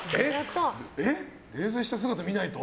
泥酔した姿見ないと？